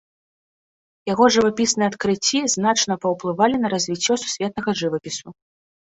Яго жывапісныя адкрыцці значна паўплывалі на развіццё сусветнага жывапісу.